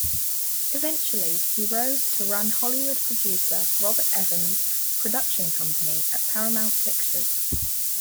Eventually he rose to run Hollywood producer Robert Evans' production company at Paramount Pictures.